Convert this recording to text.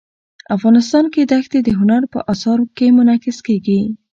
افغانستان کې دښتې د هنر په اثار کې منعکس کېږي.